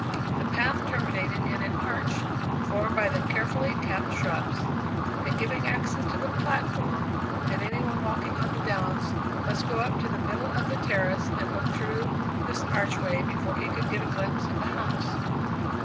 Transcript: The path terminated in an arch, formed by the carefully kept shrubs, and giving access to the platform; and any one walking on the downs must go up to the middle of the terrace and look through this archway before he could get a glimpse of the house.